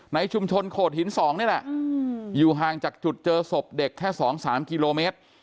ในชุมชนโขดหิน๒นี่แหละอยู่ห่างจากจุดเจอศพเด็กแค่๒๓กิโลเมตร